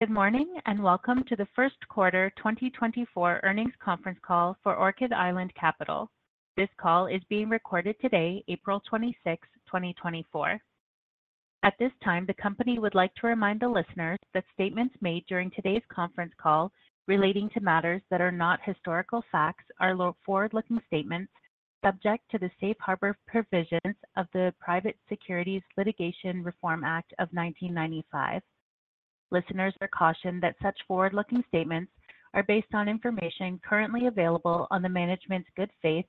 Good morning, and welcome to the First Quarter 2024 Earnings Conference Call For Orchid Island Capital. This call is being recorded today, April 26, 2024. At this time, the company would like to remind the listeners that statements made during today's conference call relating to matters that are not historical facts are forward-looking statements subject to the safe harbor provisions of the Private Securities Litigation Reform Act of 1995. Listeners are cautioned that such forward-looking statements are based on information currently available on the management's good faith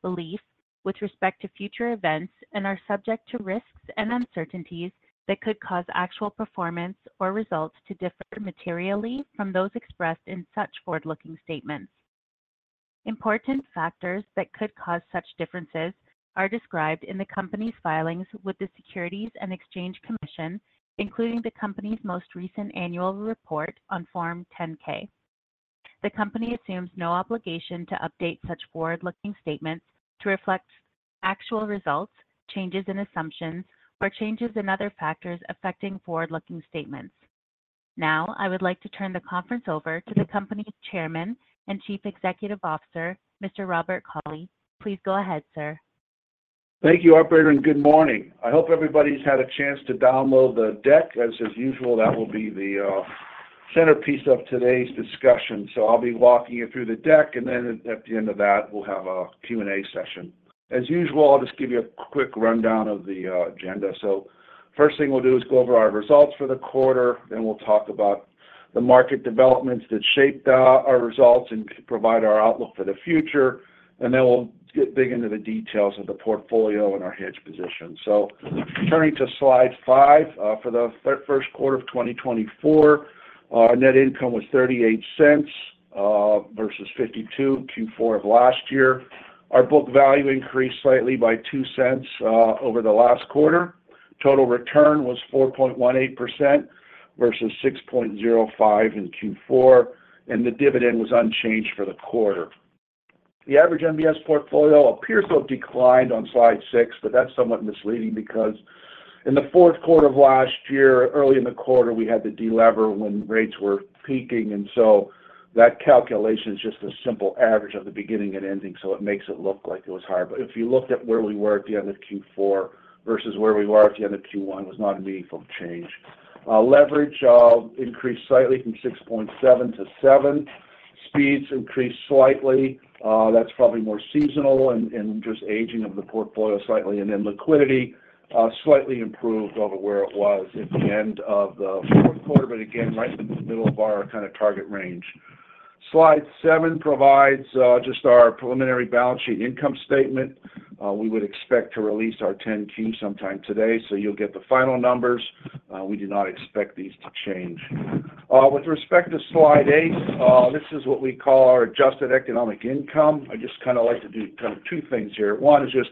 belief with respect to future events and are subject to risks and uncertainties that could cause actual performance or results to differ materially from those expressed in such forward-looking statements. Important factors that could cause such differences are described in the company's filings with the Securities and Exchange Commission, including the company's most recent annual report on Form 10-K. The company assumes no obligation to update such forward-looking statements to reflect actual results, changes in assumptions, or changes in other factors affecting forward-looking statements. Now, I would like to turn the conference over to the company Chairman and Chief Executive Officer, Mr. Robert Cawley. Please go ahead, sir. Thank you, operator, and good morning. I hope everybody's had a chance to download the deck. As usual, that will be the centerpiece of today's discussion. So I'll be walking you through the deck, and then at the end of that, we'll have a Q&A session. As usual, I'll just give you a quick rundown of the agenda. So first thing we'll do is go over our results for the quarter, then we'll talk about the market developments that shaped our results and provide our outlook for the future. And then we'll get big into the details of the portfolio and our hedge position. So turning to slide five, for the first quarter of 2024, our net income was $0.38 versus $0.52, Q4 of last year. Our book value increased slightly by $0.02 over the last quarter. Total return was 4.18% versus 6.05% in Q4, and the dividend was unchanged for the quarter. The average MBS portfolio appears to have declined on slide six, but that's somewhat misleading because in the fourth quarter of last year, early in the quarter, we had to delever when rates were peaking, and so that calculation is just a simple average of the beginning and ending, so it makes it look like it was higher. But if you looked at where we were at the end of Q4 versus where we were at the end of Q1, it was not a meaningful change. Leverage increased slightly from 6.7-7. Speeds increased slightly. That's probably more seasonal and just aging of the portfolio slightly. Then liquidity slightly improved over where it was at the end of the fourth quarter, but again, right in the middle of our kind of target range. Slide seven provides just our preliminary balance sheet income statement. We would expect to release our 10-Q sometime today, so you'll get the final numbers. We do not expect these to change. With respect to slide eight, this is what we call our adjusted economic income. I just kind of like to do two things here. One is just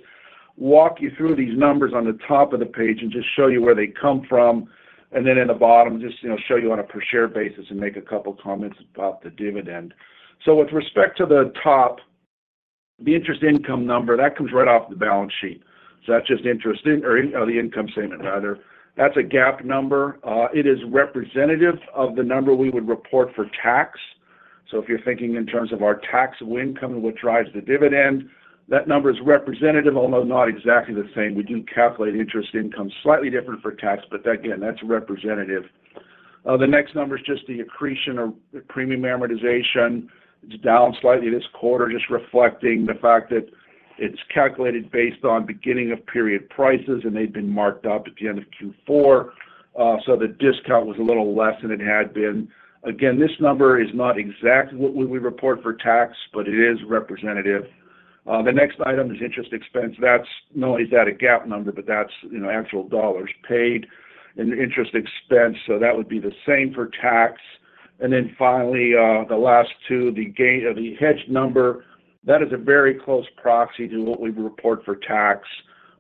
walk you through these numbers on the top of the page and just show you where they come from, and then in the bottom, just, you know, show you on a per share basis and make a couple comments about the dividend. So with respect to the top, the interest income number, that comes right off the balance sheet. So that's just interest in... or, the income statement rather. That's a GAAP number. It is representative of the number we would report for tax. So if you're thinking in terms of our taxable income and what drives the dividend, that number is representative, although not exactly the same. We do calculate interest income, slightly different for tax, but again, that's representative. The next number is just the accretion or the premium amortization. It's down slightly this quarter, just reflecting the fact that it's calculated based on beginning of period prices, and they'd been marked up at the end of Q4, so the discount was a little less than it had been. Again, this number is not exactly what we would report for tax, but it is representative. The next item is interest expense. That's not only is that a GAAP number, but that's, you know, actual dollars paid in interest expense, so that would be the same for tax. And then finally, the last two, the gain-- the hedge number, that is a very close proxy to what we report for tax.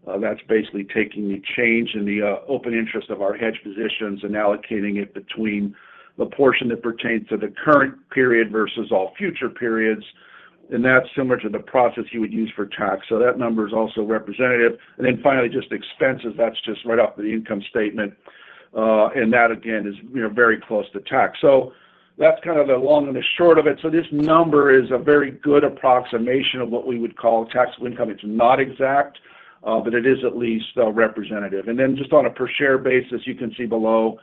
That's basically taking the change in the, open interest of our hedge positions and allocating it between the portion that pertains to the current period versus all future periods, and that's similar to the process you would use for tax. So that number is also representative. And then finally, just expenses, that's just right off the income statement, and that again, is, you know, very close to tax. So that's kind of the long and the short of it. So this number is a very good approximation of what we would call taxable income. It's not exact, but it is at least representative. And then just on a per share basis, you can see below,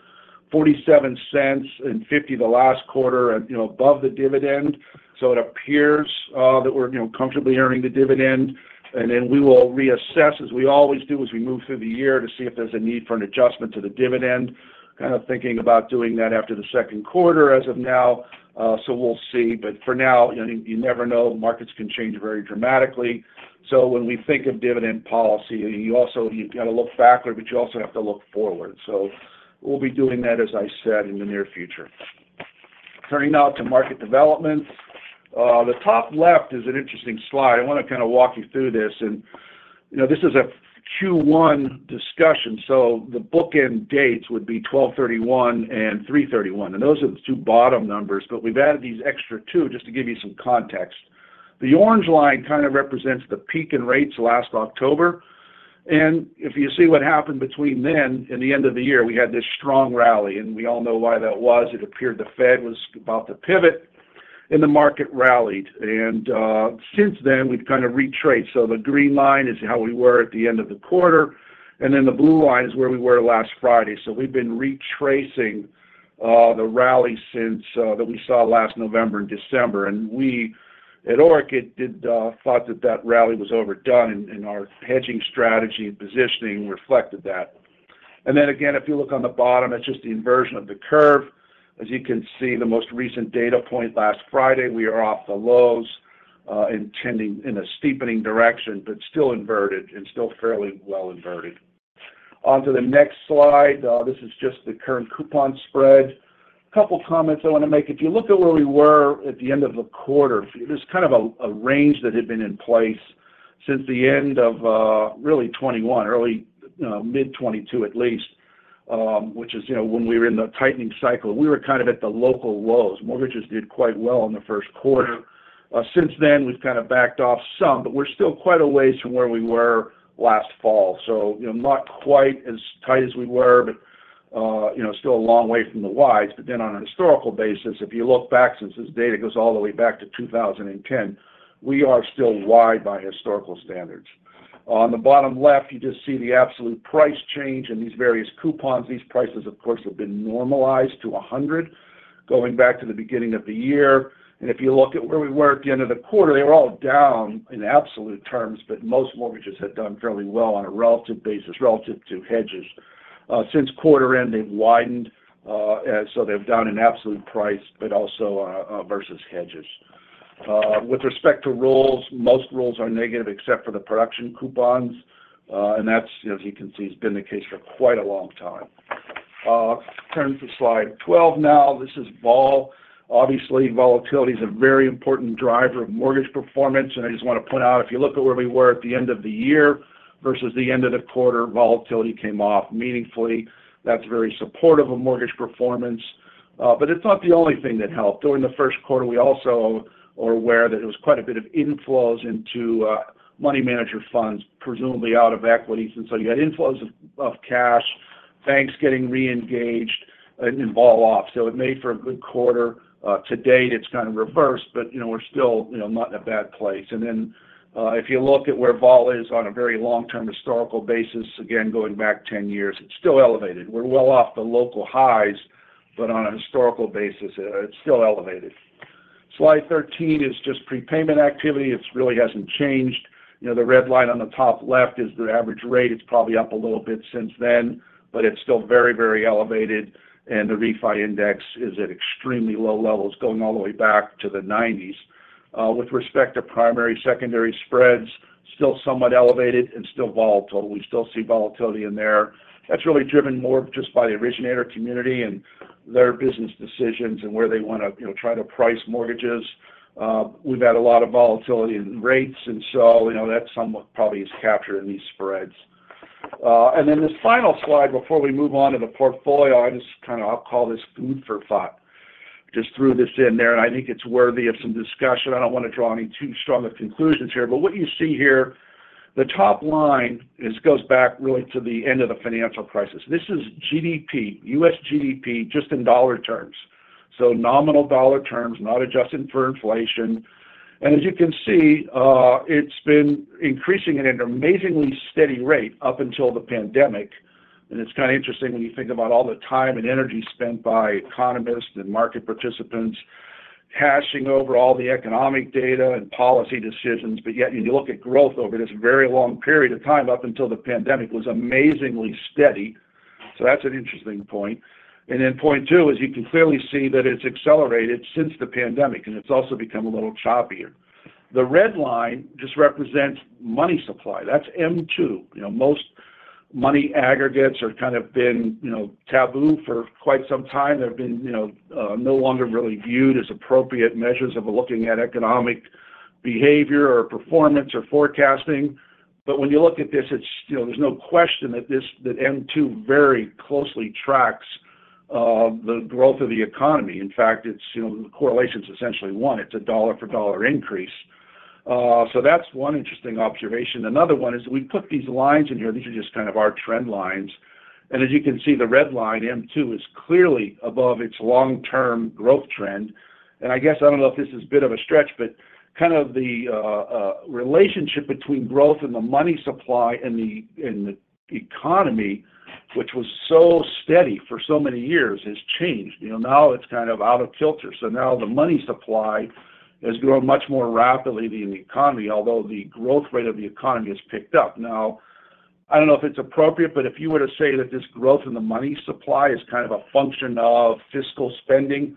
$0.47 and $0.50 the last quarter, and, you know, above the dividend. So it appears that we're, you know, comfortably earning the dividend. And then we will reassess, as we always do, as we move through the year to see if there's a need for an adjustment to the dividend. Kind of thinking about doing that after the second quarter as of now, so we'll see. But for now, you know, you never know, markets can change very dramatically. So when we think of dividend policy, you also you gotta look backward, but you also have to look forward. So we'll be doing that, as I said, in the near future. Turning now to market developments. The top left is an interesting slide. I want to kind of walk you through this. You know, this is a Q1 discussion, so the bookend dates would be 12/31 and 3/31, and those are the two bottom numbers, but we've added these extra two just to give you some context.... The orange line kind of represents the peak in rates last October. And if you see what happened between then and the end of the year, we had this strong rally, and we all know why that was. It appeared the Fed was about to pivot, and the market rallied. And since then, we've kind of retraced. So the green line is how we were at the end of the quarter, and then the blue line is where we were last Friday. So we've been retracing the rally since that we saw last November and December. And we at Orchid did thought that that rally was overdone, and our hedging strategy and positioning reflected that. And then again, if you look on the bottom, it's just the inversion of the curve. As you can see, the most recent data point last Friday, we are off the lows and tending in a steepening direction, but still inverted and still fairly well inverted. Onto the next slide. This is just the current coupon spread. Couple comments I want to make. If you look at where we were at the end of the quarter, there's kind of a range that had been in place since the end of really 2021, early mid-2022, at least, which is, you know, when we were in the tightening cycle. We were kind of at the local lows. Mortgages did quite well in the first quarter. Since then, we've kind of backed off some, but we're still quite a ways from where we were last fall. So, you know, not quite as tight as we were, but you know, still a long way from the wides. But then on a historical basis, if you look back, since this data goes all the way back to 2010, we are still wide by historical standards. On the bottom left, you just see the absolute price change in these various coupons. These prices, of course, have been normalized to 100, going back to the beginning of the year. And if you look at where we were at the end of the quarter, they were all down in absolute terms, but most mortgages had done fairly well on a relative basis, relative to hedges. Since quarter end, they've widened, and so they've done an absolute price, but also, versus hedges. With respect to rolls, most rolls are negative except for the production coupons, and that's, as you can see, has been the case for quite a long time. Turn to slide 12 now. This is vol. Obviously, volatility is a very important driver of mortgage performance, and I just want to point out, if you look at where we were at the end of the year versus the end of the quarter, volatility came off meaningfully. That's very supportive of mortgage performance, but it's not the only thing that helped. During the first quarter, we also are aware that there was quite a bit of inflows into money manager funds, presumably out of equities. And so you had inflows of cash, banks getting re-engaged and vol off. So it made for a good quarter. To date, it's kind of reversed, but you know, we're still you know not in a bad place. And then, if you look at where vol is on a very long-term historical basis, again, going back 10 years, it's still elevated. We're well off the local highs, but on a historical basis, it's still elevated. Slide 13 is just prepayment activity. It really hasn't changed. You know, the red line on the top left is the average rate. It's probably up a little bit since then, but it's still very, very elevated, and the Refi Index is at extremely low levels, going all the way back to the 1990s. With respect to primary-secondary spreads, still somewhat elevated and still volatile. We still see volatility in there. That's really driven more just by the originator community and their business decisions and where they want to, you know, try to price mortgages. We've had a lot of volatility in rates, and so, you know, that somewhat probably is captured in these spreads. And then this final slide before we move on to the portfolio, I just kinda, I'll call this food for thought. Just threw this in there, and I think it's worthy of some discussion. I don't want to draw any too strong of conclusions here, but what you see here, the top line, this goes back really to the end of the financial crisis. This is GDP, U.S. GDP, just in dollar terms, so nominal dollar terms, not adjusted for inflation. And as you can see, it's been increasing at an amazingly steady rate up until the pandemic. And it's kind of interesting when you think about all the time and energy spent by economists and market participants hashing over all the economic data and policy decisions, but yet, you look at growth over this very long period of time, up until the pandemic, was amazingly steady. So that's an interesting point. And then point two is you can clearly see that it's accelerated since the pandemic, and it's also become a little choppier. The red line just represents money supply. That's M2. You know, most money aggregates are kind of been, you know, taboo for quite some time. They've been, you know, no longer really viewed as appropriate measures of looking at economic behavior, or performance, or forecasting. But when you look at this, it's, you know, there's no question that this, that M2 very closely tracks the growth of the economy. In fact, it's, you know, the correlation is essentially one. It's a dollar-for-dollar increase. So that's one interesting observation. Another one is we put these lines in here. These are just kind of our trend lines. As you can see, the red line, M2, is clearly above its long-term growth trend. I guess, I don't know if this is a bit of a stretch, but kind of the relationship between growth and the money supply and the economy, which was so steady for so many years, has changed. You know, now it's kind of out of kilter. Now the money supply has grown much more rapidly than the economy, although the growth rate of the economy has picked up. Now, I don't know if it's appropriate, but if you were to say that this growth in the money supply is kind of a function of fiscal spending,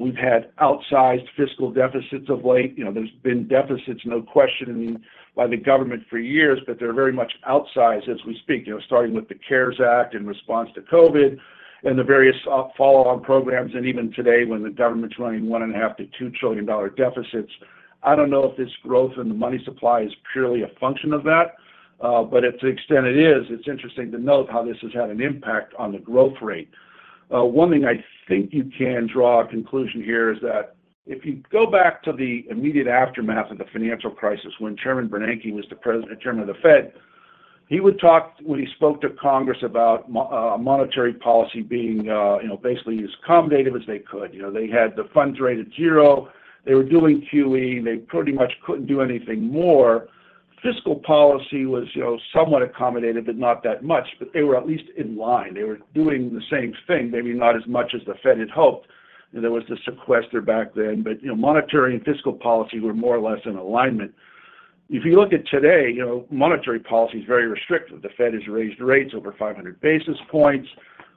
we've had outsized fiscal deficits of late. You know, there's been deficits, no question, by the government for years, but they're very much outsized as we speak, you know, starting with the CARES Act in response to COVID and the various, follow-on programs, and even today, when the government's running $1.5 trillion-$2 trillion deficits. I don't know if this growth in the money supply is purely a function of that, but to the extent it is, it's interesting to note how this has had an impact on the growth rate. One thing I think you can draw a conclusion here is that if you go back to the immediate aftermath of the financial crisis, when Chairman Bernanke was chairman of the Fed, he would talk, when he spoke to Congress, about monetary policy being, you know, basically as accommodative as they could. You know, they had the funds rate at zero. They were doing QE. They pretty much couldn't do anything more. Fiscal policy was, you know, somewhat accommodative, but not that much. But they were at least in line. They were doing the same thing, maybe not as much as the Fed had hoped, and there was the sequester back then, but, you know, monetary and fiscal policy were more or less in alignment. If you look at today, you know, monetary policy is very restrictive. The Fed has raised rates over 500 basis points.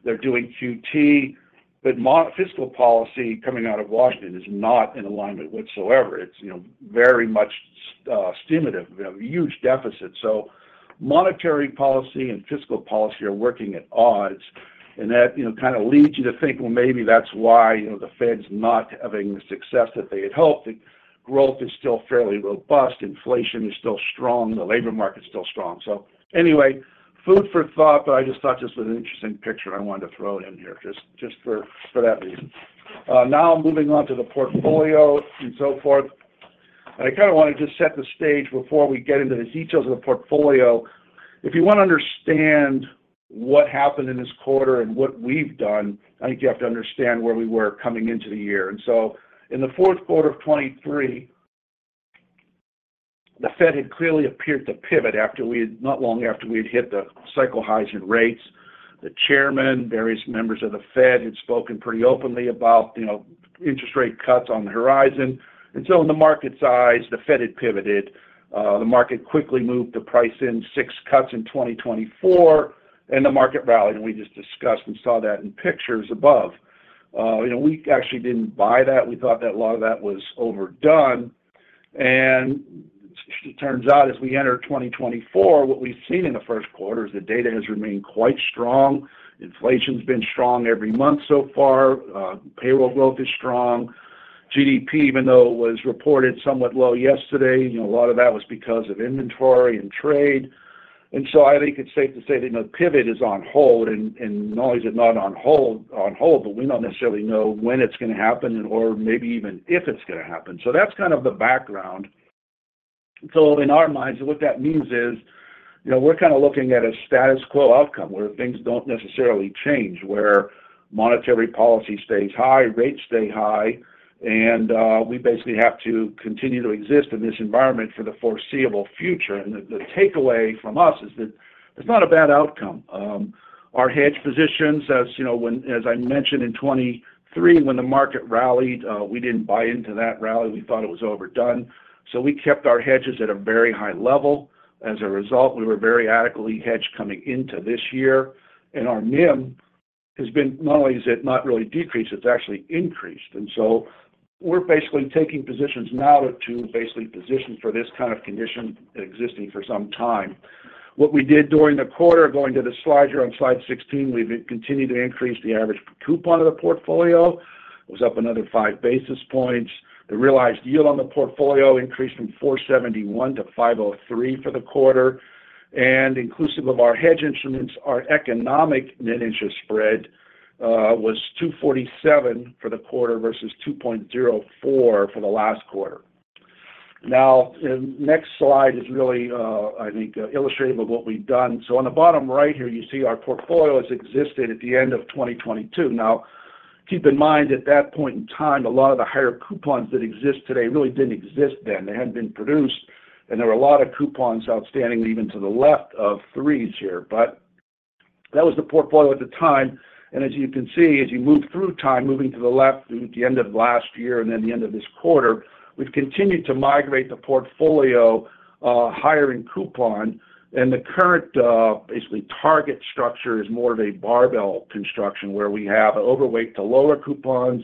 They're doing QT, but fiscal policy coming out of Washington is not in alignment whatsoever. It's, you know, very much stimulative. We have a huge deficit. So monetary policy and fiscal policy are working at odds, and that, you know, kind of leads you to think, well, maybe that's why, you know, the Fed's not having the success that they had hoped. The growth is still fairly robust. Inflation is still strong. The labor market's still strong. So anyway, food for thought, but I just thought this was an interesting picture, and I wanted to throw it in here just for that reason. Now moving on to the portfolio and so forth, and I kind of want to just set the stage before we get into the details of the portfolio. If you want to understand what happened in this quarter and what we've done, I think you have to understand where we were coming into the year. In the fourth quarter of 2023, the Fed had clearly appeared to pivot after, not long after we had hit the cycle highs in rates. The chairman, various members of the Fed had spoken pretty openly about, you know, interest rate cuts on the horizon. And so when the market sized, the Fed had pivoted. The market quickly moved to price in six cuts in 2024, and the market rallied, and we just discussed and saw that in pictures above. You know, we actually didn't buy that. We thought that a lot of that was overdone. And it turns out, as we enter 2024, what we've seen in the first quarter is the data has remained quite strong. Inflation's been strong every month so far. Payroll growth is strong. GDP, even though it was reported somewhat low yesterday, you know, a lot of that was because of inventory and trade. And so I think it's safe to say that no pivot is on hold, and not only is it not on hold, but we don't necessarily know when it's going to happen or maybe even if it's going to happen. So that's kind of the background. So in our minds, what that means is, you know, we're kind of looking at a status quo outcome, where things don't necessarily change, where monetary policy stays high, rates stay high, and we basically have to continue to exist in this environment for the foreseeable future. And the takeaway from us is that it's not a bad outcome. Our hedge positions, as you know, as I mentioned in 2023, when the market rallied, we didn't buy into that rally. We thought it was overdone. So we kept our hedges at a very high level. As a result, we were very adequately hedged coming into this year, and our NIM has been... not only has it not really decreased, it's actually increased. And so we're basically taking positions now to basically position for this kind of condition existing for some time. What we did during the quarter, going to the slide here on slide 16, we've continued to increase the average coupon of the portfolio. It was up another five basis points. The realized yield on the portfolio increased from 471-503 for the quarter. Inclusive of our hedge instruments, our economic net interest spread was 247 for the quarter versus 2.04 for the last quarter. Now, the next slide is really, I think, illustrative of what we've done. So on the bottom right here, you see our portfolio has existed at the end of 2022. Now, keep in mind, at that point in time, a lot of the higher coupons that exist today really didn't exist then. They hadn't been produced, and there were a lot of coupons outstanding, even to the left of 3s here. But that was the portfolio at the time. As you can see, as you move through time, moving to the left, the end of last year and then the end of this quarter, we've continued to migrate the portfolio higher in coupon, and the current basically target structure is more of a barbell construction, where we have an overweight to lower coupons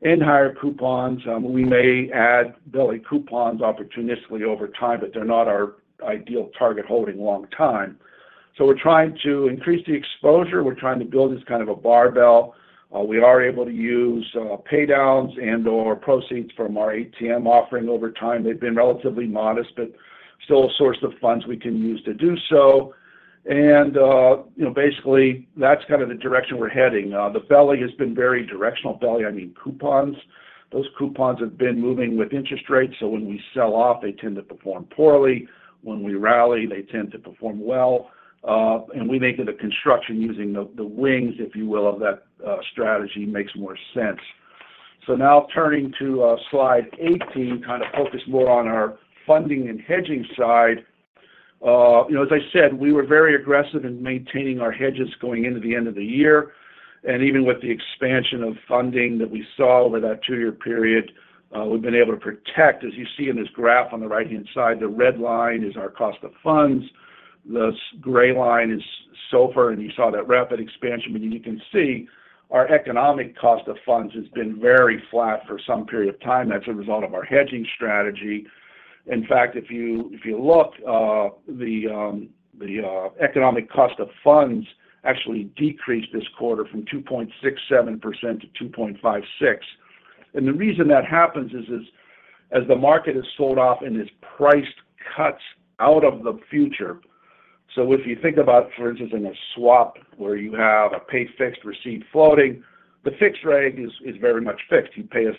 and higher coupons. We may add belly coupons opportunistically over time, but they're not our ideal target holding long time. So we're trying to increase the exposure. We're trying to build this kind of a barbell. We are able to use paydowns and/or proceeds from our ATM offering over time. They've been relatively modest, but still a source of funds we can use to do so. And you know, basically, that's kind of the direction we're heading. The belly has been very directional. Belly, I mean coupons. Those coupons have been moving with interest rates, so when we sell off, they tend to perform poorly. When we rally, they tend to perform well, and we make it a construction using the, the wings, if you will, of that, strategy makes more sense. So now turning to slide 18, kind of focus more on our funding and hedging side. You know, as I said, we were very aggressive in maintaining our hedges going into the end of the year, and even with the expansion of funding that we saw over that two-year period, we've been able to protect. As you see in this graph on the right-hand side, the red line is our cost of funds. The gray line is SOFR, and you saw that rapid expansion. But you can see our economic cost of funds has been very flat for some period of time as a result of our hedging strategy. In fact, if you look, the economic cost of funds actually decreased this quarter from 2.67%-2.56%. And the reason that happens is, as the market has sold off and has priced cuts out of the future... So if you think about, for instance, in a swap where you have a pay fixed, receive floating, the fixed rate is very much fixed. You pay a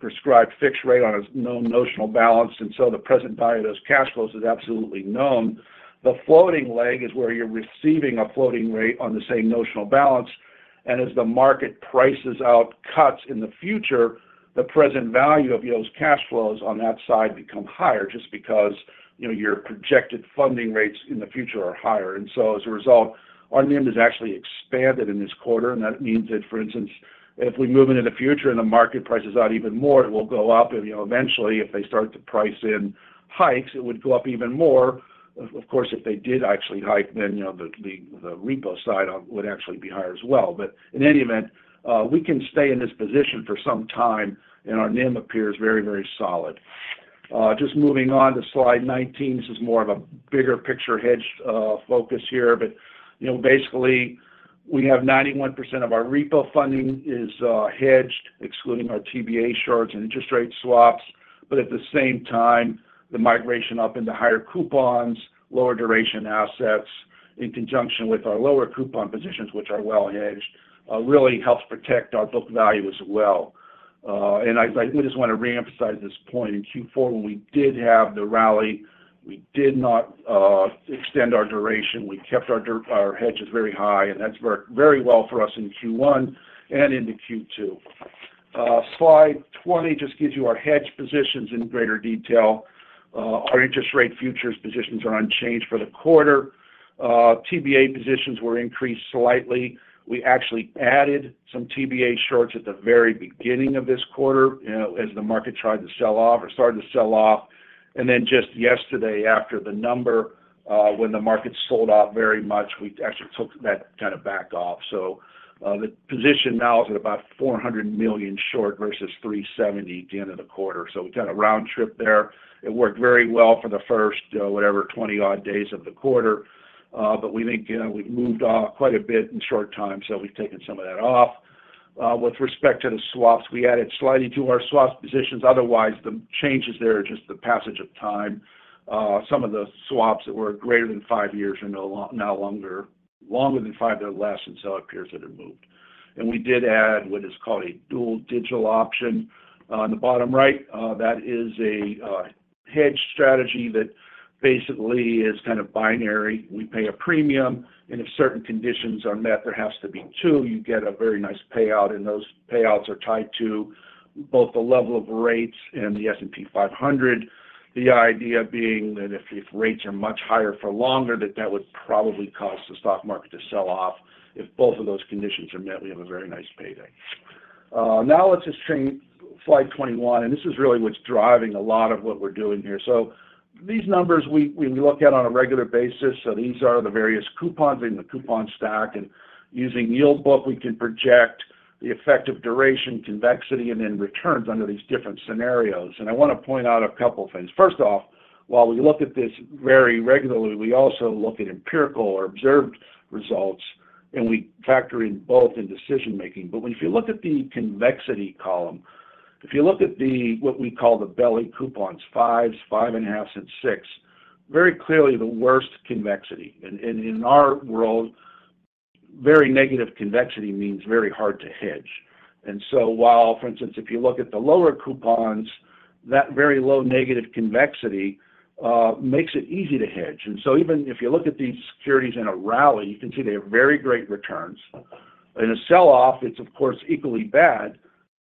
prescribed fixed rate on a known notional balance, and so the present value of those cash flows is absolutely known. The floating leg is where you're receiving a floating rate on the same notional balance, and as the market prices out cuts in the future, the present value of those cash flows on that side become higher, just because, you know, your projected funding rates in the future are higher. And so as a result, our NIM has actually expanded in this quarter, and that means that, for instance, if we move into the future and the market prices out even more, it will go up. And, you know, eventually, if they start to price in hikes, it would go up even more. Of course, if they did actually hike, then, you know, the repo side would actually be higher as well. But in any event, we can stay in this position for some time, and our NIM appears very, very solid. Just moving on to slide 19. This is more of a bigger picture hedge focus here, but, you know, basically, we have 91% of our repo funding is hedged, excluding our TBA shorts and interest rate swaps. But at the same time, the migration up into higher coupons, lower duration assets, in conjunction with our lower coupon positions, which are well hedged, really helps protect our book value as well. And I just want to reemphasize this point, in Q4, when we did have the rally, we did not extend our duration. We kept our hedges very high, and that's worked very well for us in Q1 and into Q2. Slide 20 just gives you our hedge positions in greater detail. Our interest rate futures positions are unchanged for the quarter. TBA positions were increased slightly. We actually added some TBA shorts at the very beginning of this quarter, you know, as the market tried to sell off or started to sell off. And then just yesterday, after the number, when the market sold off very much, we actually took that kind of back off. So, the position now is at about $400 million short versus $370 million at the end of the quarter. So we've done a round trip there. It worked very well for the first, whatever, 20-odd days of the quarter, but we think, you know, we've moved quite a bit in a short time, so we've taken some of that off. With respect to the swaps, we added slightly to our swap positions. Otherwise, the changes there are just the passage of time. Some of the swaps that were greater than five years are no longer longer than five, they're less, and so it appears that they've moved. We did add what is called a dual digital option. On the bottom right, that is a hedge strategy that basically is kind of binary. We pay a premium, and if certain conditions are met, there has to be two, you get a very nice payout, and those payouts are tied to both the level of rates and the S&P 500. The idea being that if rates are much higher for longer, that would probably cause the stock market to sell off. If both of those conditions are met, we have a very nice payday. Now let's just change slide 21, and this is really what's driving a lot of what we're doing here. So these numbers, we, we look at on a regular basis. So these are the various coupons in the coupon stack, and using Yield Book, we can project the effect of duration, convexity, and then returns under these different scenarios. And I want to point out a couple of things. First off, while we look at this very regularly, we also look at empirical or observed results, and we factor in both in decision making. But if you look at the convexity column, if you look at the, what we call the belly coupons, 5s, 5.5, and 6, very clearly the worst convexity. And, and in our world, very negative convexity means very hard to hedge. And so while, for instance, if you look at the lower coupons, that very low negative convexity makes it easy to hedge. And so even if you look at these securities in a rally, you can see they have very great returns. In a sell-off, it's of course equally bad,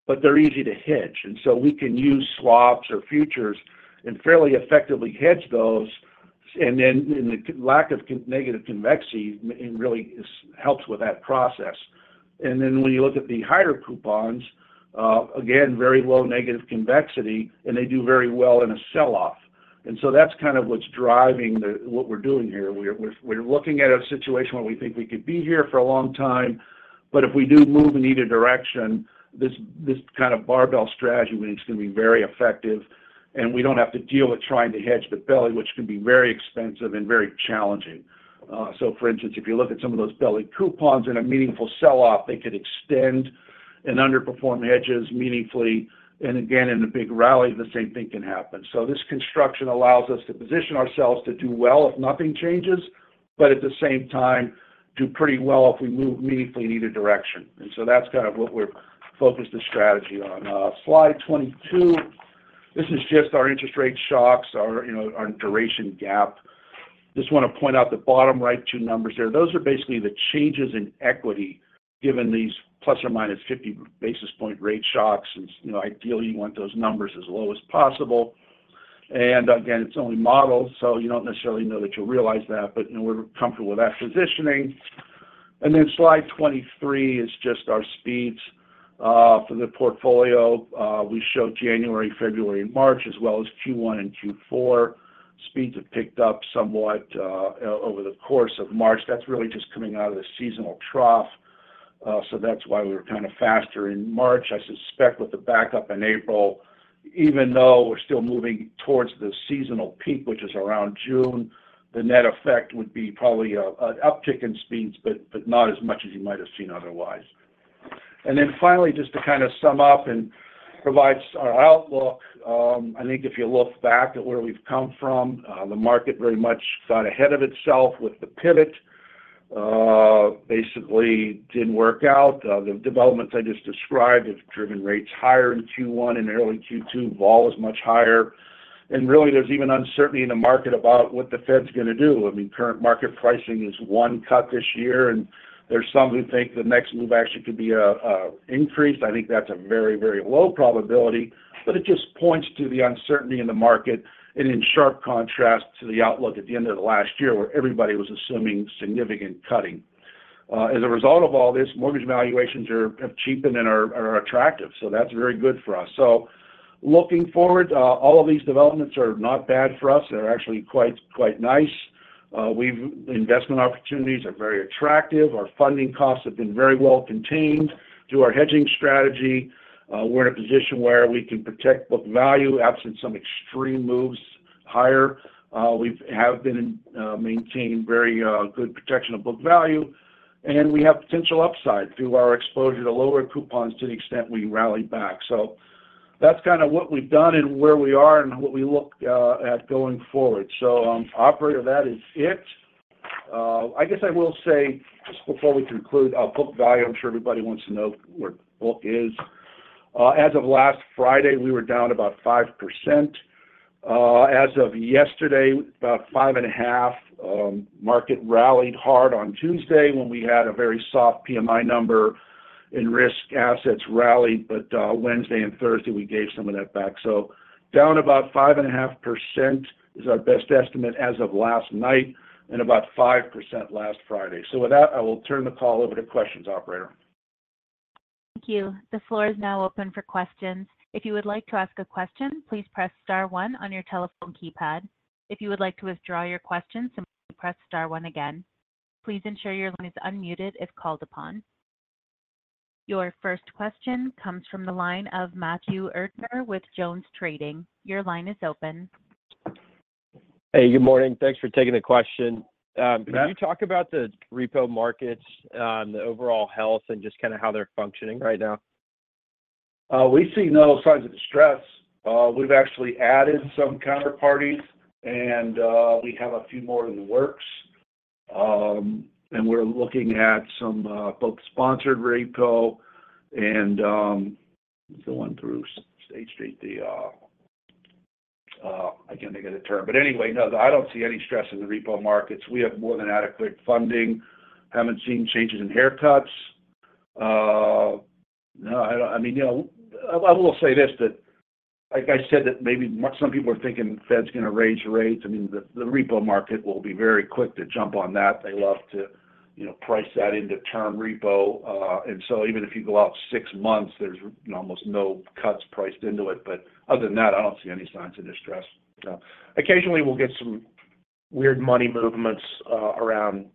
but they're easy to hedge. And so we can use swaps or futures and fairly effectively hedge those, and then the lack of negative convexity it really is helps with that process. And then when you look at the higher coupons, again very low negative convexity, and they do very well in a sell-off. And so that's kind of what's driving what we're doing here. We're looking at a situation where we think we could be here for a long time, but if we do move in either direction, this kind of barbell strategy is going to be very effective, and we don't have to deal with trying to hedge the belly, which can be very expensive and very challenging. So for instance, if you look at some of those belly coupons in a meaningful sell-off, they could extend and underperform hedges meaningfully, and again, in a big rally, the same thing can happen. So this construction allows us to position ourselves to do well if nothing changes, but at the same time, do pretty well if we move meaningfully in either direction. And so that's kind of what we're focused the strategy on. Slide 22, this is just our interest rate shocks, you know, our duration gap. Just want to point out the bottom right two numbers there. Those are basically the changes in equity, given these ±50 basis points rate shocks. And, you know, ideally, you want those numbers as low as possible. And again, it's only models, so you don't necessarily know that you'll realize that, but, you know, we're comfortable with that positioning. And then slide 23 is just our speeds for the portfolio. We show January, February, and March, as well as Q1 and Q4. Speeds have picked up somewhat over the course of March. That's really just coming out of the seasonal trough, so that's why we were kind of faster in March. I suspect with the backup in April, even though we're still moving towards the seasonal peak, which is around June, the net effect would be probably an uptick in speeds, but not as much as you might have seen otherwise... Then finally, just to kind of sum up and provide our outlook, I think if you look back at where we've come from, the market very much got ahead of itself with the pivot. Basically didn't work out. The developments I just described have driven rates higher in Q1 and early Q2. Vol is much higher, and really, there's even uncertainty in the market about what the Fed's gonna do. I mean, current market pricing is one cut this year, and there's some who think the next move actually could be an increase. I think that's a very, very low probability, but it just points to the uncertainty in the market and in sharp contrast to the outlook at the end of the last year, where everybody was assuming significant cutting. As a result of all this, mortgage valuations have cheapened and are, are attractive, so that's very good for us. So looking forward, all of these developments are not bad for us. They're actually quite, quite nice. Investment opportunities are very attractive. Our funding costs have been very well contained through our hedging strategy. We're in a position where we can protect book value, absent some extreme moves higher. We've been maintaining very good protection of book value, and we have potential upside through our exposure to lower coupons to the extent we rally back. So that's kind of what we've done and where we are and what we look at going forward. So, operator, that is it. I guess I will say, just before we conclude, our book value, I'm sure everybody wants to know where book is. As of last Friday, we were down about 5%. As of yesterday, about 5.5. Market rallied hard on Tuesday when we had a very soft PMI number, and risk assets rallied, but, Wednesday and Thursday, we gave some of that back. So down about 5.5% is our best estimate as of last night, and about 5% last Friday. So with that, I will turn the call over to questions, operator. Thank you. The floor is now open for questions. If you would like to ask a question, please press star one on your telephone keypad. If you would like to withdraw your question, simply press star one again. Please ensure your line is unmuted if called upon. Your first question comes from the line of Matthew Erdner with JonesTrading. Your line is open. Hey, good morning. Thanks for taking the question. Matt. Can you talk about the repo markets, the overall health and just kind of how they're functioning right now? We see no signs of distress. We've actually added some counterparties, and we have a few more in the works. And we're looking at some both sponsored repo and going through State Street, I can't think of the term, but anyway, no, I don't see any stress in the repo markets. We have more than adequate funding. Haven't seen changes in haircuts. No, I don't—I mean, you know, I will say this, that like I said, that maybe some people are thinking Fed's gonna raise rates. I mean, the repo market will be very quick to jump on that. They love to, you know, price that into term repo. And so even if you go out six months, there's almost no cuts priced into it. But other than that, I don't see any signs of distress. Occasionally we'll get some weird money movements around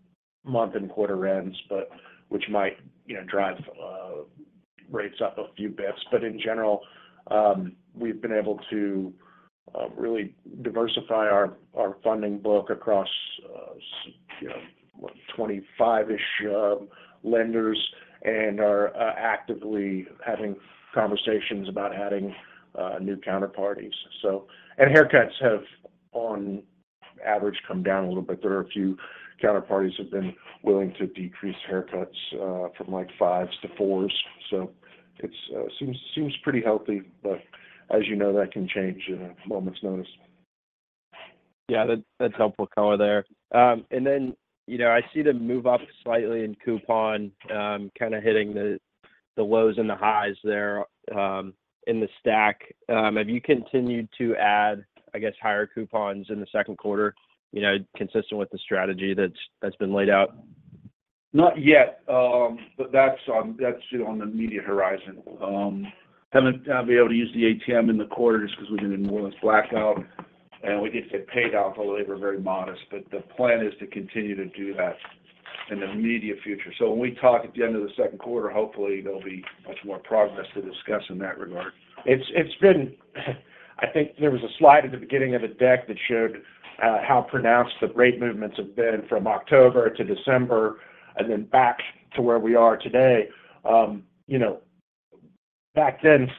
month and quarter ends, but which might, you know, drive rates up a few bits. But in general, we've been able to really diversify our funding book across, you know, 25-ish lenders and are actively having conversations about adding new counterparties. So... And haircuts have, on average, come down a little bit. There are a few counterparties who have been willing to decrease haircuts from, like, 5s to 4s. So it seems pretty healthy, but as you know, that can change in a moment's notice. Yeah, that's helpful color there. And then, you know, I see the move up slightly in coupon, kind of hitting the lows and the highs there, in the stack. Have you continued to add, I guess, higher coupons in the second quarter, you know, consistent with the strategy that's been laid out? Not yet, but that's on the immediate horizon. Haven't been able to use the ATM in the quarter just because we've been in more or less blackout, and we did get paid off, although they were very modest. But the plan is to continue to do that in the immediate future. So when we talk at the end of the second quarter, hopefully there'll be much more progress to discuss in that regard. It's been. I think there was a slide at the beginning of the deck that showed how pronounced the rate movements have been from October to December and then back to where we are today. You know, back then,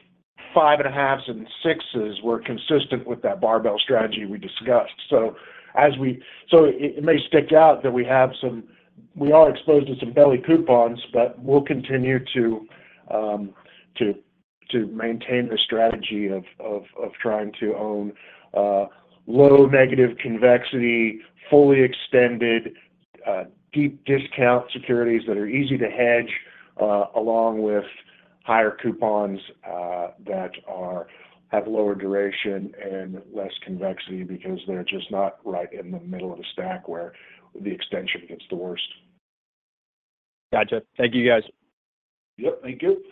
5.5s and 6s were consistent with that barbell strategy we discussed. So it may stick out that we are exposed to some belly coupons, but we'll continue to maintain the strategy of trying to own low negative convexity, fully extended deep discount securities that are easy to hedge, along with higher coupons that have lower duration and less convexity because they're just not right in the middle of the stack where the extension gets the worst. Gotcha. Thank you, guys. Yep, thank you.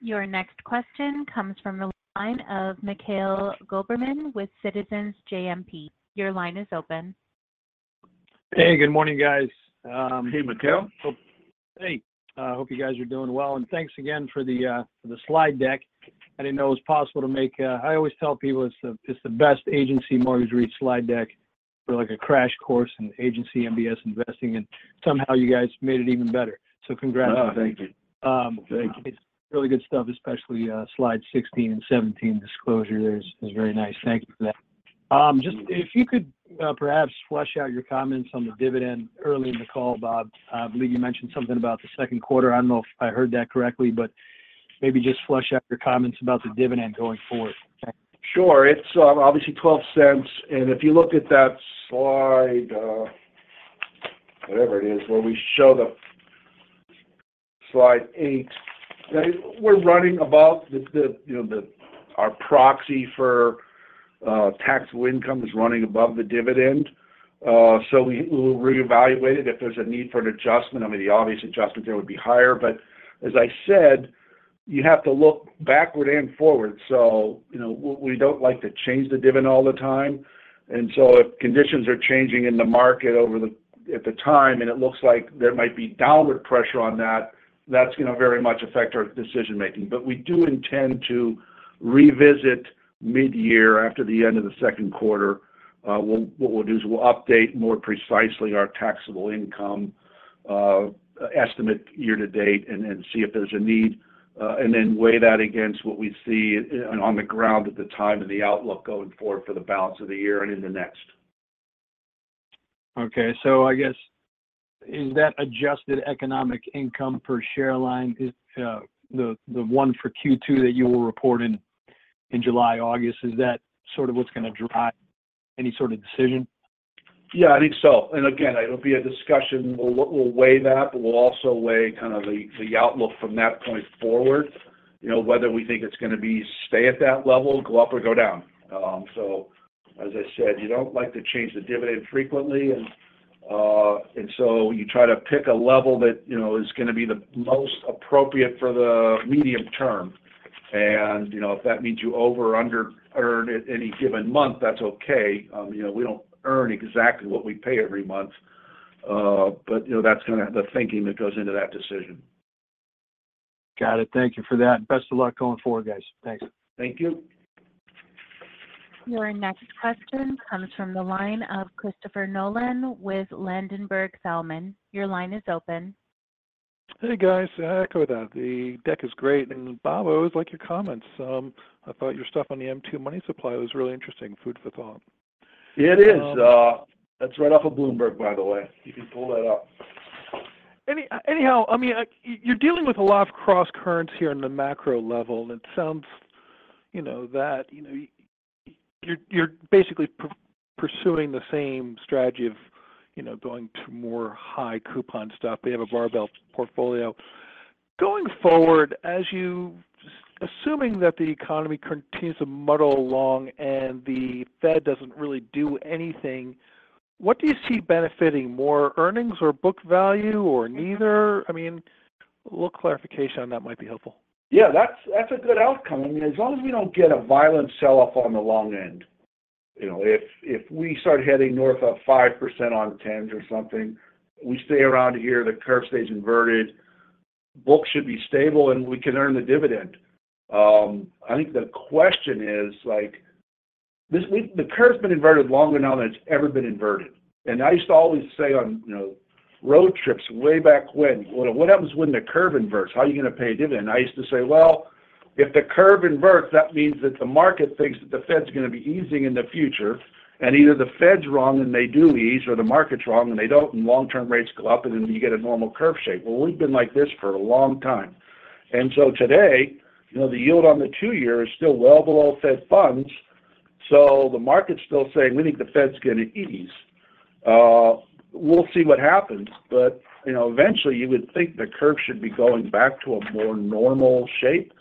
Your next question comes from the line of Mikhail Goberman with Citizens JMP. Your line is open. Hey, good morning, guys. Hey, Mikhail. Hey, hope you guys are doing well, and thanks again for the, for the slide deck. I didn't know it was possible to make a. I always tell people it's the, it's the best agency mortgage REIT slide deck for like a crash course in agency MBS investing, and somehow you guys made it even better. So congrats. Oh, thank you. Thank you. It's really good stuff, especially, slide 16 and 17 disclosure is very nice. Thank you for that. Just if you could, perhaps flesh out your comments on the dividend early in the call, Bob. I believe you mentioned something about the second quarter. I don't know if I heard that correctly, but maybe just flesh out your comments about the dividend going forward. Thank you. Sure. It's obviously $0.12, and if you look at that slide, whatever it is, where we show the slide 8. We're running above the you know our proxy for taxable income is running above the dividend. So we'll reevaluate it if there's a need for an adjustment. I mean, the obvious adjustment there would be higher, but as I said, you have to look backward and forward. So, you know, we don't like to change the dividend all the time. And so if conditions are changing in the market over the at the time, and it looks like there might be downward pressure on that, that's going to very much affect our decision making. But we do intend to revisit mid-year after the end of the second quarter. What we'll do is we'll update more precisely our taxable income estimate year to date and then see if there's a need, and then weigh that against what we see on the ground at the time and the outlook going forward for the balance of the year and into next. Okay. So I guess, is that adjusted economic income per share line the one for Q2 that you will report in July, August, is that sort of what's going to drive any sort of decision? Yeah, I think so. And again, it'll be a discussion. We'll weigh that, but we'll also weigh kind of the outlook from that point forward. You know, whether we think it's going to be stay at that level, go up or go down. So as I said, you don't like to change the dividend frequently, and so you try to pick a level that you know is going to be the most appropriate for the medium term. And, you know, if that means you over or under earn it any given month, that's okay. You know, we don't earn exactly what we pay every month, but, you know, that's kind of the thinking that goes into that decision. Got it. Thank you for that. Best of luck going forward, guys. Thanks. Thank you. Your next question comes from the line of Christopher Nolan with Ladenburg Thalmann. Your line is open. Hey, guys. I echo that. The deck is great, and Bob, I always like your comments. I thought your stuff on the M2 money supply was really interesting. Food for thought. It is. That's right off of Bloomberg, by the way. You can pull that up. Anyhow, I mean, you're dealing with a lot of crosscurrents here on the macro level. It sounds, you know, that, you know, you're, you're basically pursuing the same strategy of, you know, going to more high coupon stuff. They have a barbell portfolio. Going forward, as you assuming that the economy continues to muddle along and the Fed doesn't really do anything, what do you see benefiting more earnings or book value or neither? I mean, a little clarification on that might be helpful. Yeah, that's, that's a good outcome. I mean, as long as we don't get a violent sell-off on the long end, you know, if, if we start heading north of 5% on tens or something, we stay around here, the curve stays inverted. Books should be stable, and we can earn the dividend. I think the question is, like, the curve's been inverted longer now than it's ever been inverted. And I used to always say on, you know, road trips way back when, "Well, what happens when the curve inverts? How are you going to pay a dividend?" I used to say, "Well, if the curve inverts, that means that the market thinks that the Fed's going to be easing in the future, and either the Fed's wrong and they do ease, or the market's wrong and they don't, and long-term rates go up, and then you get a normal curve shape." Well, we've been like this for a long time. And so today, you know, the yield on the two-year is still well below Fed funds, so the market's still saying, we think the Fed's going to ease. We'll see what happens, but, you know, eventually, you would think the curve should be going back to a more normal shape.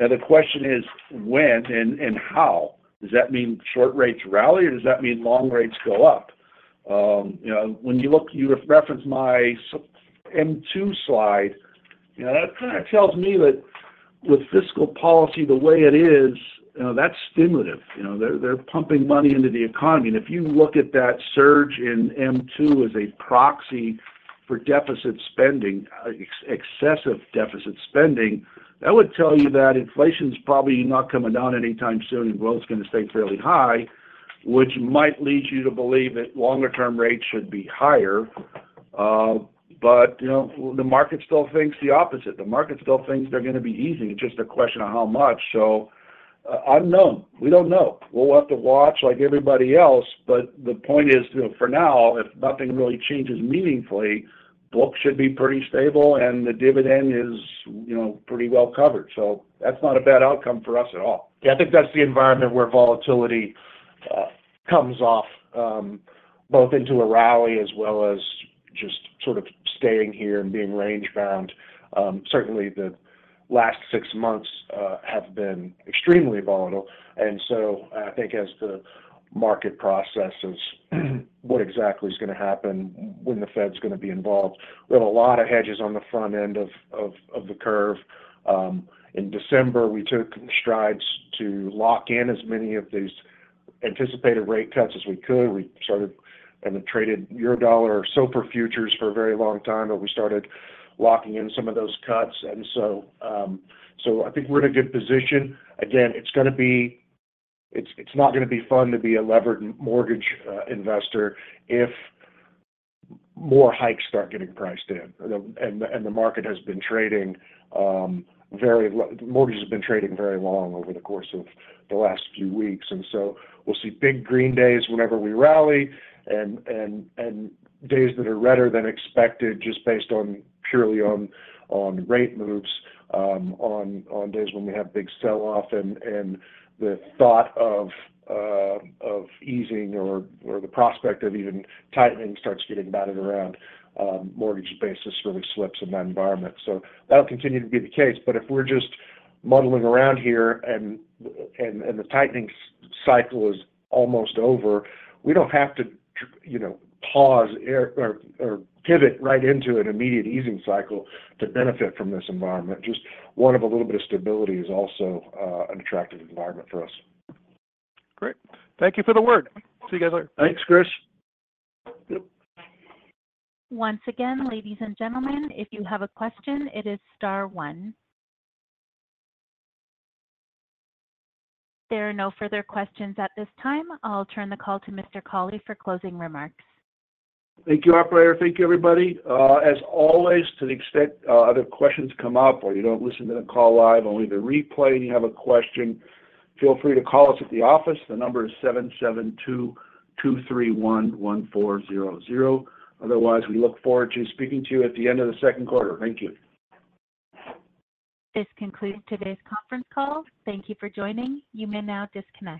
Now, the question is when and, and how? Does that mean short rates rally, or does that mean long rates go up? You know, when you look... You reference my M2 slide, you know, that kind of tells me that with fiscal policy the way it is, you know, that's stimulative. You know, they're, they're pumping money into the economy. And if you look at that surge in M2 as a proxy for deficit spending, excessive deficit spending, that would tell you that inflation's probably not coming down anytime soon and growth is going to stay fairly high, which might lead you to believe that longer-term rates should be higher. But, you know, the market still thinks the opposite. The market still thinks they're going to be easing. It's just a question of how much. So, unknown. We don't know. We'll have to watch like everybody else, but the point is, you know, for now, if nothing really changes meaningfully, books should be pretty stable and the dividend is, you know, pretty well covered. So that's not a bad outcome for us at all. Yeah, I think that's the environment where volatility comes off both into a rally as well as just sort of staying here and being range-bound. Certainly the last six months have been extremely volatile. And so I think as the market processes what exactly is going to happen, when the Fed's going to be involved, we have a lot of hedges on the front end of the curve. In December, we took strides to lock in as many of these anticipated rate cuts as we could. We started and traded Eurodollar or SOFR futures for a very long time, but we started locking in some of those cuts. And so I think we're in a good position. Again, it's going to be. It's not going to be fun to be a levered mortgage investor if more hikes start getting priced in. And the market has been trading. Mortgages have been trading very long over the course of the last few weeks. And so we'll see big green days whenever we rally and days that are redder than expected, just based purely on rate moves, on days when we have big sell-off and the thought of easing or the prospect of even tightening starts getting batted around. Mortgage basis really slips in that environment. So that'll continue to be the case. But if we're just muddling around here and the tightening cycle is almost over, we don't have to, you know, pause or pivot right into an immediate easing cycle to benefit from this environment. Just one of a little bit of stability is also an attractive environment for us. Great. Thank you for the word. See you guys later. Thanks, Chris. Once again, ladies and gentlemen, if you have a question, it is star one. There are no further questions at this time. I'll turn the call to Mr. Cauley for closing remarks. Thank you, operator. Thank you, everybody. As always, to the extent other questions come up or you don't listen to the call live, only the replay, and you have a question, feel free to call us at the office. The number is 772-231-1400. Otherwise, we look forward to speaking to you at the end of the second quarter. Thank you. This concludes today's conference call. Thank you for joining. You may now disconnect.